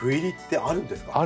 あるんです。